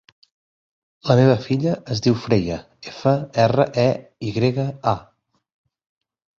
La meva filla es diu Freya: efa, erra, e, i grega, a.